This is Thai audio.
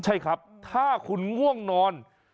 ใช่ครับถ้าคุณง่วงนอน